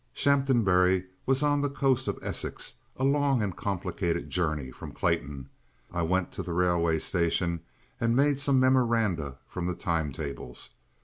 Shaphambury was on the coast of Essex, a long and complicated journey from Clayton. I went to the railway station and made some memoranda from the time tables.